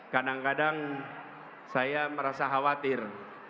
kadang kadang saya merasa khawatir